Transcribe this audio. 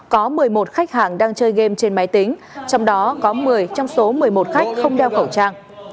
có một mươi một khách hàng đang chơi game trên máy tính trong đó có một mươi trong số một mươi một khách không đeo khẩu trang